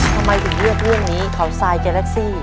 ทำไมถึงเลือกเรื่องนี้เขาทรายแกรักซี่